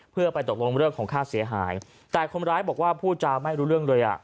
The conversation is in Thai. เพื่อไปตกลงเรื่องของค่าเสียหายแต่คนร้ายบอกว่าพูดจาไม่รู้เรื่องเลยอ่ะ